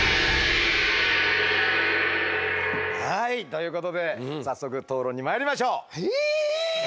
はいということで早速討論にまいりましょう。